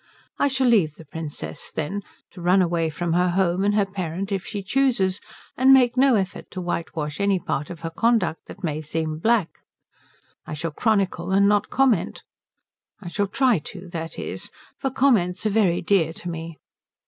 I shall leave the Princess, then, to run away from her home and her parent if she chooses, and make no effort to whitewash any part of her conduct that may seem black. I shall chronicle, and not comment. I shall try to, that is, for comments are very dear to me.